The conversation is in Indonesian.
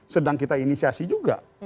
sedang kita inisiasi juga